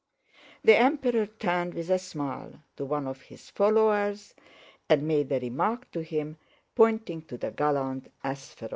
The Emperor turned with a smile to one of his followers and made a remark to him, pointing to the gallant Ápsherons.